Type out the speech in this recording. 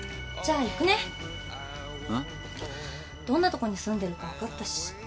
どんなとこに住んでるか分かったし。